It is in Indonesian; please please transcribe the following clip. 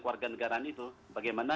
keluarga negara itu bagaimana